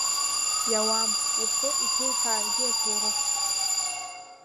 Иауам ухы иҭуҳәааргьы аҭоурых…